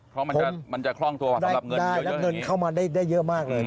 เพราะมันจะคล่องตัวได้เงินเข้ามาได้เยอะมากเลย